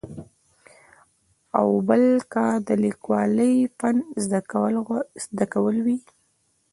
او بل که د لیکوالۍ فن زده کول وي.